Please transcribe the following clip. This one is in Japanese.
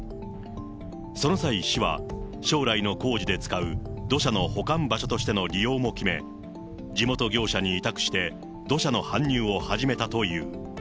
その際、市は将来の工事で使う土砂の保管場所としての利用も決め、地元業者に委託して、土砂の搬入を始めたという。